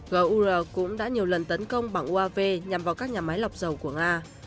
gur cũng đã nhiều lần tấn công bằng uav nhằm vào các nhà máy lọc dầu của nga